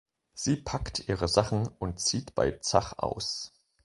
Sie packt ihre Sachen und zieht bei Zach aus.